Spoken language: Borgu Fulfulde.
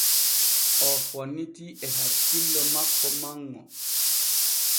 O fonnitii e hakkillo makko manŋo.